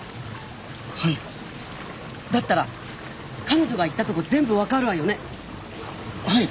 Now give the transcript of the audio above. はいだったら彼女が行ったとこ全部分かるわよねはい！